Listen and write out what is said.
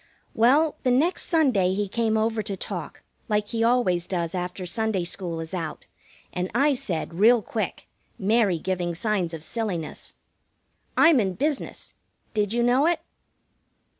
Well, the next Sunday he came over to talk, like he always does after Sunday school is out, and I said, real quick, Mary giving signs of silliness: "I'm in business. Did you know it?"